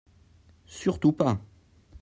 Surtout pas !